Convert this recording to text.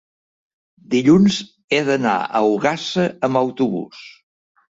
dilluns he d'anar a Ogassa amb autobús.